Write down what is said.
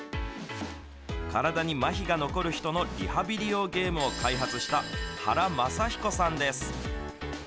体にまひが残る人のリハビリ用ゲームを開発した、原正彦さんです。